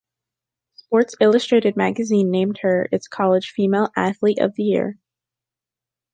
"Sports Illustrated" magazine named her its college Female Athlete of the Year.